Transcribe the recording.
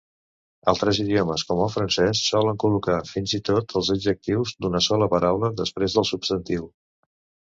Altres idiomes, com el francès, solen col·locar fins i tot els adjectius d'una sola paraula després del substantiu.